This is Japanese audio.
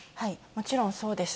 もちろん、そうです。